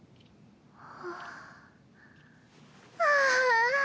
ああ！